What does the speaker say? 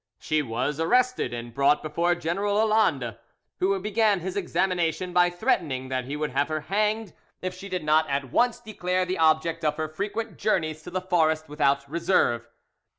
She was arrested and brought before General Lalande, who began his examination by threatening that he would have her hanged if she did not at once declare the object of her frequent journeys to the forest without reserve.